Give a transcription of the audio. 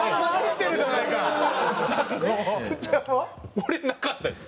俺なかったです。